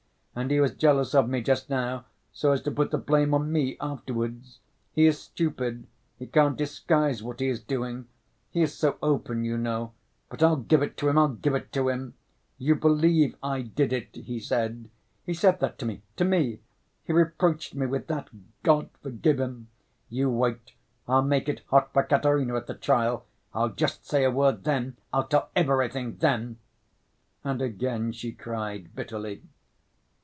And he was jealous of me just now, so as to put the blame on me afterwards. He is stupid, he can't disguise what he is doing; he is so open, you know.... But I'll give it to him, I'll give it to him! 'You believe I did it,' he said. He said that to me, to me. He reproached me with that! God forgive him! You wait, I'll make it hot for Katerina at the trial! I'll just say a word then ... I'll tell everything then!" And again she cried bitterly.